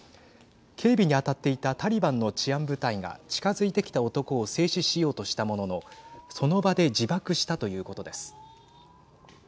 警備に当たっていたタリバンの治安部隊が近づいてきた男を制止しようとしたもののその場で自爆したということです。